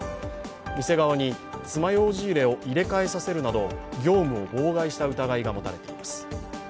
店側に爪楊枝入れを入れ替えさせるなど業務を妨害した疑いが持たれています。